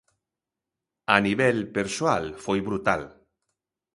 A nivel persoal foi brutal.